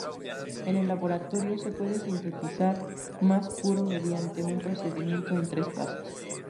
En el laboratorio, se puede sintetizar más puro mediante un procedimiento en tres pasos.